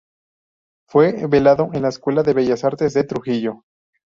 Fue velado en la Escuela de Bellas Artes de Trujillo.